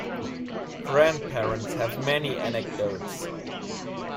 Grandparents have many anecdotes.